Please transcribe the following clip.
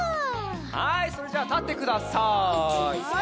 はいそれじゃあたってください。